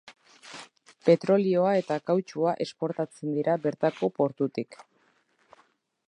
Petrolioa eta kautxua esportatzen dira bertako portutik.